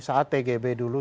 saat tgb dulu